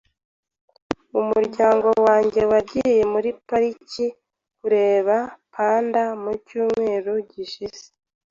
Umuryango wanjye wagiye muri pariki kureba panda ku cyumweru gishize.